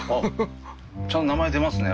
ちゃんと名前出ますね